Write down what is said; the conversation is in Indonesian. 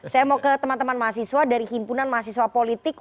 saya mau ke teman teman mahasiswa dari himpunan mahasiswa politik